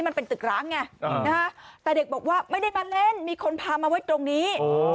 มันเป็นตึกร้างไงแต่เด็กบอกว่าไม่ได้มาเล่นมีคนพามาไว้ตรงนี้